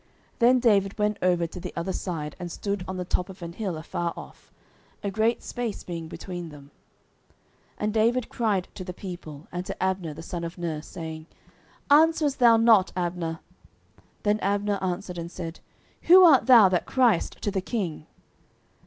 09:026:013 Then David went over to the other side, and stood on the top of an hill afar off; a great space being between them: 09:026:014 And David cried to the people, and to Abner the son of Ner, saying, Answerest thou not, Abner? Then Abner answered and said, Who art thou that criest to the king?